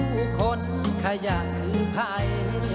ผู้คนขยันไพร